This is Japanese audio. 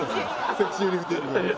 セクシーリフティング。